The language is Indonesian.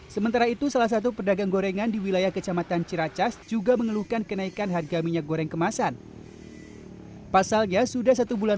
sementara itu salah satu pedagang gorengan di wilayah kecamatan ciracas juga mengeluhkan kenaikan harga minyak goreng kemasan